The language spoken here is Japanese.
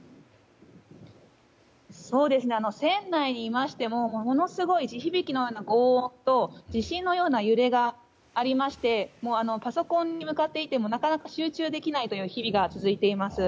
船内にいましてもものすごい地響きのような轟音と地震のような揺れがありましてパソコンに向かっていてもなかなか集中できない日々が続いています。